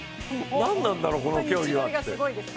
なんなんだろうこの競技はって。